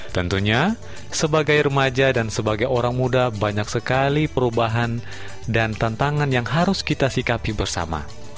tentunya sebagai remaja dan sebagai orang muda banyak sekali perubahan dan tantangan yang harus kita sikapi bersama